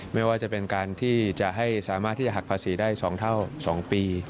ไม่ว่าจะเป็นการที่จะให้สามารถที่จะหักภาษีได้๒เท่า๒ปี